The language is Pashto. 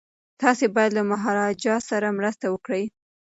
تاسي باید له مهاراجا سره مرسته وکړئ.